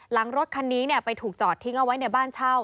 รถคันนี้ไปถูกจอดทิ้งเอาไว้ในบ้านเช่า